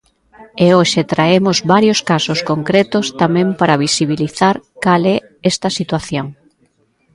E hoxe traemos varios casos concretos tamén para visibilizar cal é esta situación.